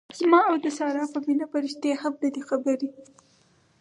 زما او د سارې په مینه پریښتې هم نه دي خبرې.